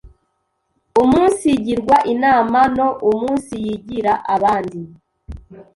umunsigirwa inama no umunsiyigira abandi